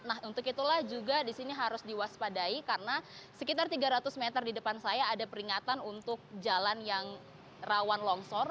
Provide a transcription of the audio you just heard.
nah untuk itulah juga di sini harus diwaspadai karena sekitar tiga ratus meter di depan saya ada peringatan untuk jalan yang rawan longsor